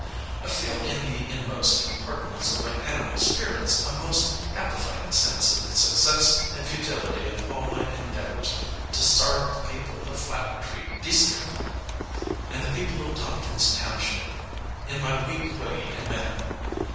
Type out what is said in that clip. "I feel in the inmost compartments of my animal spirits a most happifying sense of the success and futility of all my endeavors to sarve the people of Flat Creek deestrick, and the people of Tomkins township, in my weak way and manner."